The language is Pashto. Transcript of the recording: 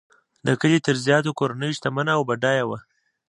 د کلي تر زیاتو کورنیو شتمنه او بډایه وه.